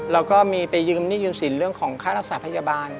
แล้วก็มีไปยืมหนี้ยืมสินเรื่องของค่ารักษาพยาบาล